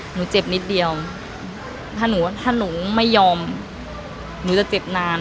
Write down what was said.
หนูเจ็บนิดเดียวถ้าหนูถ้าหนูไม่ยอมหนูจะเจ็บนาน